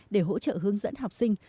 để hỗ trợ hướng dẫn học sinh